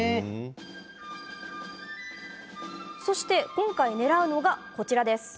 今回、狙うのがこちらです。